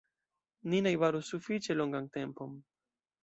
Ni najbaros sufiĉe longan tempon.